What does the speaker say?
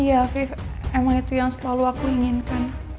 iya afif emang itu yang selalu aku inginkan